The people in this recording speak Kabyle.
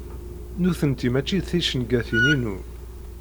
Nutenti mačči d ticengatin-inu.